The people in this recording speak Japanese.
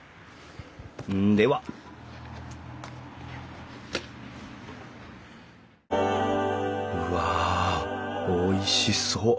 ではうわおいしそう。